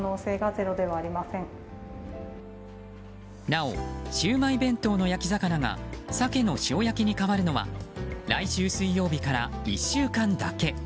なおシウマイ弁当の焼き魚がサケの塩焼きに変わるのは来週水曜日から１週間だけ。